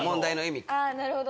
なるほど！